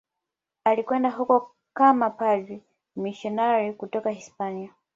Alikwenda huko kama padri mmisionari kutoka Hispania.